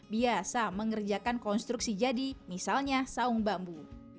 biasa mengerjakan konstruksi jadi misalnya saung bambu